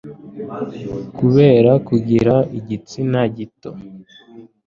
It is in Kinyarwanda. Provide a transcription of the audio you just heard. kubera kugira igitsina gito cyane